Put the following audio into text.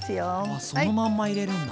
あそのまんま入れるんだ。